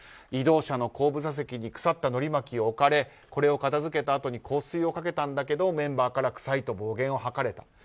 移動車の後部座席に腐ったのり巻きを置かれこれを片付けたあとに香水をかけたんだけどメンバーから臭いと暴言を吐かれた。